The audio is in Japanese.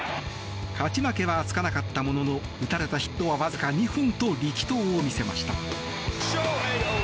勝ち負けはつかなかったものの打たれたヒットはわずか２本と力投を見せました。